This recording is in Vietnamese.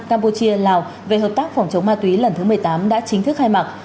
campuchia lào về hợp tác phòng chống ma túy lần thứ một mươi tám đã chính thức khai mạc